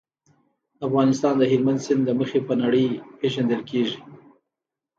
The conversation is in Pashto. افغانستان د هلمند سیند له مخې په نړۍ پېژندل کېږي.